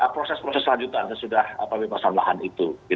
proses lanjutan sudah bebasan lahan itu